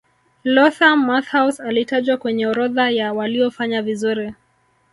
lothar matthaus alitajwa kwenye orodha ya waliofanya vizuri